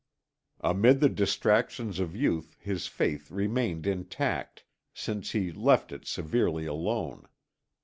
Amid the distractions of youth his faith remained intact, since he left it severely alone.